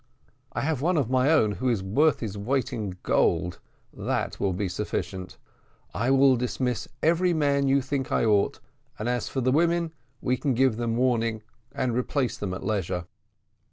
"I have one of my own who is worth his weight in gold that will be sufficient. I will dismiss every man you think I ought, and as for the women, we can give them warning, and replace them at leisure."